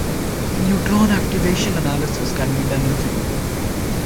Neutron activation analysis can be done in situ.